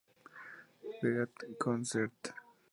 Great Concert!